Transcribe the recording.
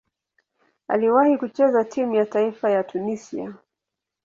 Aliwahi kucheza timu ya taifa ya Tunisia.